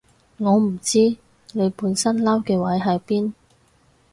我唔知你本身嬲嘅位喺邊